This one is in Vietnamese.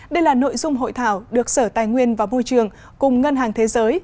đây là nội dung hội thảo được sở tài nguyên và môi trường cùng ngân hàng thế giới